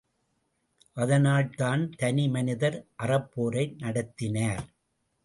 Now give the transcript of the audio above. அதனால் தான் தனி மனிதர் அறப்போரை நடத்தினார்.